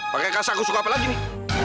pakai kasar aku suka apa lagi nih